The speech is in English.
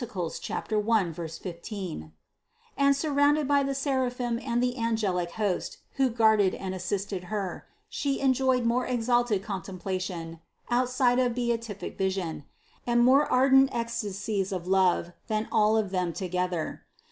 1, 15) and surrounded by the seraphim and the angelic host who guarded and assisted Her, She enjoyed more exalted con templation (outside of beatific vision), and more ardent ecstasies of love, than all of them together.